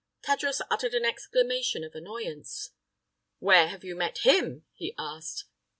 Tadros uttered an exclamation of annoyance. "Where have you met him?" he asked.